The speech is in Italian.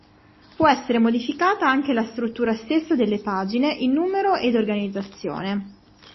Può essere modificata anche la struttura stessa delle pagine in numero ed organizzazione.